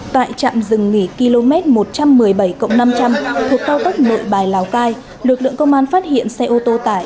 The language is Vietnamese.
tại trạm rừng nghỉ km một trăm một mươi bảy năm trăm linh thuộc cao tốc nội bài lào cai lực lượng công an phát hiện xe ô tô tải